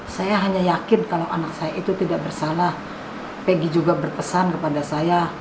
saya hanya yakin kalau anak saya itu tidak bersalah peggy juga berpesan kepada saya